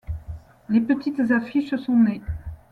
Les Petites Affiches sont nées.